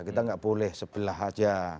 kita nggak boleh sebelah aja